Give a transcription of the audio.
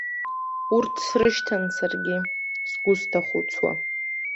Урҭ срышьҭан саргьы, сгәы сҭахәыцуа.